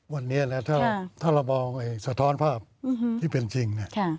วันนี้นะถ้าเรามองสะท้อนภาพที่เป็นจริง